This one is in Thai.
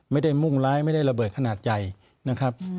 มุ่งร้ายไม่ได้ระเบิดขนาดใหญ่นะครับ